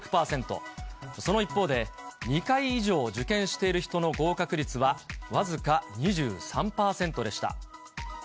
その一方で、２回以上受験している人の合格率は僅か２３％でした。